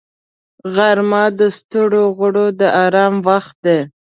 غرمه د ستړو غړو د آرام وخت دی